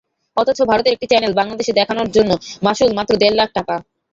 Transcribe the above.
অথচ ভারতের একটি চ্যানেল বাংলাদেশে দেখানোর জন্য মাশুল মাত্র দেড় লাখ টাকা।